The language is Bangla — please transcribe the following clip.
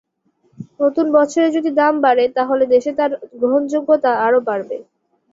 নতুন বছরে যদি দাম বাড়ে তাহলে দেশে তাঁর গ্রহণযোগ্যতা আরও বাড়বে।